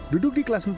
duduk di kelas empat